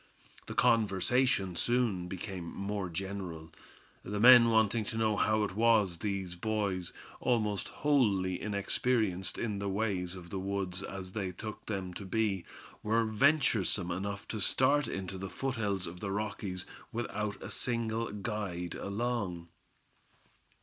The conversation soon became more general, the men wanting to know how it was these boys, almost wholly inexperienced in the ways of the woods as they took them to be, were venturesome enough to start into the foothills of the Rockies without a single guide along.